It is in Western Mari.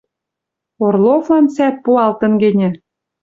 Орловлан сӓп пуалтын гӹньӹ?..»